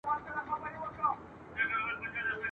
زما توجه ور واړوله !.